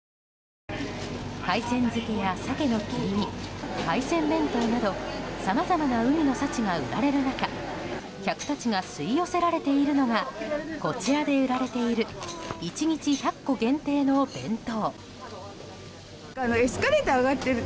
海鮮漬けやサケの切り身海鮮弁当などさまざまな海の幸が売られる中客たちが吸い寄せられているのがこちらで売られている１日１００個限定の弁当。